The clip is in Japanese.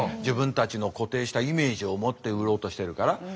自分たちの固定したイメージを持って売ろうとしてるから。